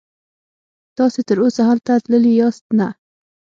تاسې تراوسه هلته تللي یاست؟ نه.